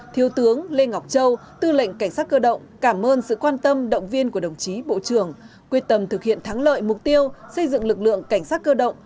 thiếu tướng lê ngọc châu tư lệnh cảnh sát cơ động cảm ơn sự quan tâm động viên của đồng chí bộ trưởng quyết tâm thực hiện thắng lợi mục tiêu xây dựng lực lượng cảnh sát cơ động